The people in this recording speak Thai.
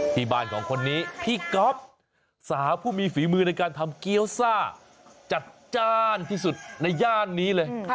ที่บ้านของคนนี้พี่ก๊อฟสาวผู้มีฝีมือในการทำเกี้ยวซ่าจัดจ้านที่สุดในย่านนี้เลย